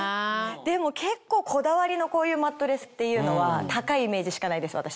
でも結構こだわりのこういうマットレスっていうのは高いイメージしかないです私。